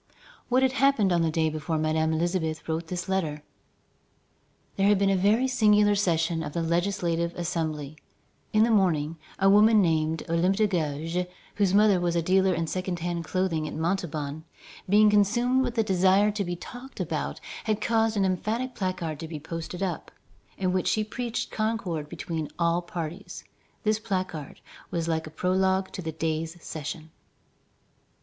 What had happened on the day before Madame Elisabeth wrote this letter? There had been a very singular session of the Legislative Assembly. In the morning, a woman named Olympe de Gouges, whose mother was a dealer in second hand clothing at Montauban, being consumed with a desire to be talked about, had caused an emphatic placard to be posted up, in which she preached concord between all parties. This placard was like a prologue to the day's session.